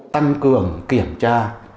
tăng cường kiểm tra